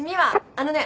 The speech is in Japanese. あのね。